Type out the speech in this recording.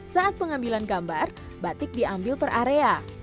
saat pengambilan gambar batik diambil per area